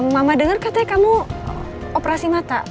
mama dengar katanya kamu operasi mata